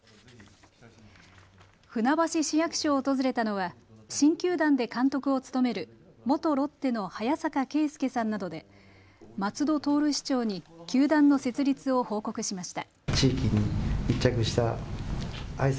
船橋市役所を訪れたのは新球団で監督を務める元ロッテの早坂圭介さんなどで松戸徹市長に球団の設立を報告しました。